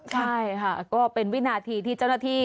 ใช่ค่ะก็เป็นวินาทีที่เจ้าหน้าที่